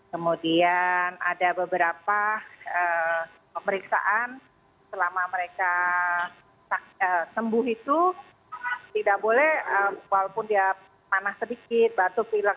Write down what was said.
kemudian ada beberapa pemeriksaan selama mereka sembuh itu tidak boleh walaupun dia panas sedikit batuk pilek